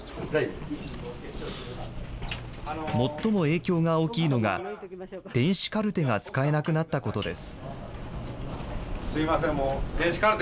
最も影響が大きいのが、電子カルテが使えなくなったことです。